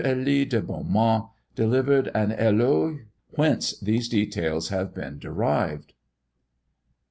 Elie de Beaumont delivered an éloge, whence these details have been derived.